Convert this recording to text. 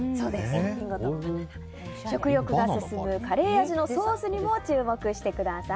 食欲が進むカレー味のソースにも注目してください。